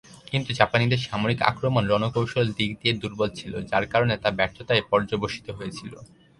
কিন্তু জাপানীদের সামরিক আক্রমণ রণকৌশল দিক দিয়ে দূর্বল ছিল যার কারণে তা ব্যর্থতায় পর্যবসিত হয়েছিল।